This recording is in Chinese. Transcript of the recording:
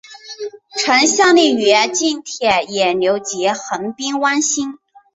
曾效力于近铁野牛及横滨湾星。